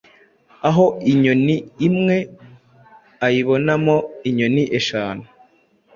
aho inyoni imwe ayibonamo inyoni eshanu